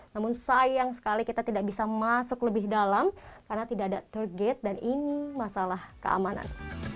namun sayang sekali kita tidak bisa masuk lebih dalam karena tidak ada target dan ini masalah keamanan